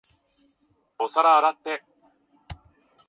お皿洗って。